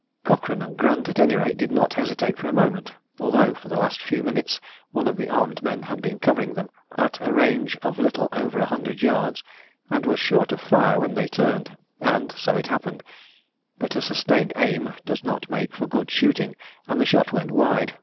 Cochrane and Grunt, at any rate, did not hesitate for a moment, although for the last few minutes one of the armed men had been covering them at a range of little over a hundred yards, and was sure to fire when they turned. And so it happened; but a sustained aim does not make for good shooting, and the shot went wide.